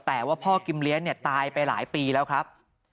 แต่ว่าพ่อกิมเลี้ยเนี่ยตายไปหลายปีแล้วครับ